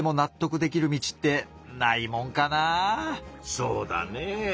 そうだねぇ。